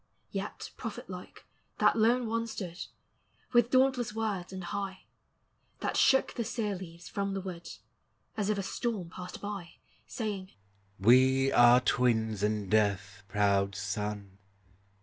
Yet, prophet like, that lone one stood, With dauntless words and high, That shook the sear leaves from the wood, As if a storm passed by, Saying, We are twins in death, proud Sun!